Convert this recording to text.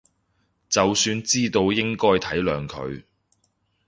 就算知道應該體諒佢